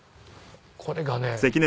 これがね